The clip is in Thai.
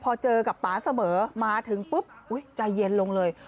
พอเจอกับป่าเสมอมาถึงปุ๊บอุ๊ยใจเย็นลงเลย